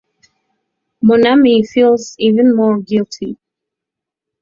Monami feels even more guilty.